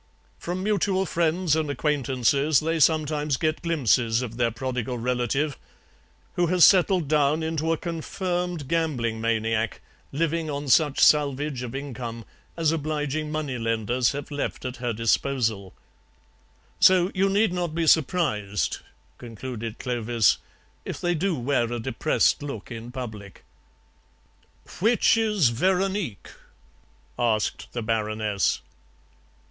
"From mutual friends and acquaintances they sometimes get glimpses of their prodigal relative, who has settled down into a confirmed gambling maniac, living on such salvage of income as obliging moneylenders have left at her disposal. "So you need not be surprised," concluded Clovis, "if they do wear a depressed look in public." "Which is Veronique?" asked the Baroness.